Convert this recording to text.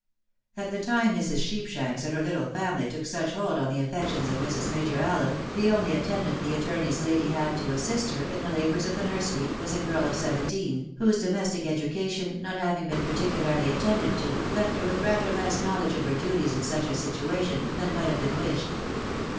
At the time Mrs. Sheepshanks and her httle family took such hold on the affections of Mrs. Major Allen, the only at tendant the attorney's lady had to assist her in the labours of the nursery, was a girl of seventeen, whose domestic education not having been particula, rly attended to, left her with rather less knowledge of her duties in such a situation, than might have been wished.